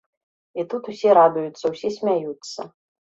І тут усе радуюцца, усе смяюцца.